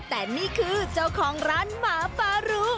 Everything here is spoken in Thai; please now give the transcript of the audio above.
แต่นี่คือเจ้าของร้านหมาฟารู